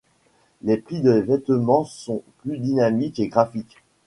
Les plis des vêtements sont plus dynamiques et graphiques.